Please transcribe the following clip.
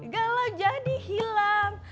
gak lagi jadi hilang